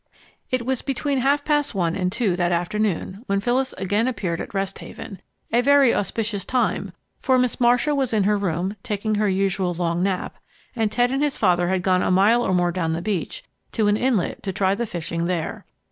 It was between half past one and two, that afternoon, when Phyllis again appeared at Rest Haven a very auspicious time, for Miss Marcia was in her room taking her usual long nap and Ted and his father had gone a mile or more down the beach to an inlet to try the fishing there.